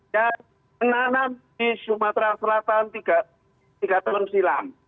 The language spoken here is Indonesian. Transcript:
yang menanam di sumatera selatan tiga tahun silam